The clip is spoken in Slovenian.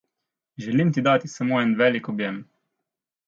Želim ti dati samo en veliko objem!